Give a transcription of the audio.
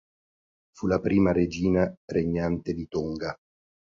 Fu la prima regina regnante di Tonga.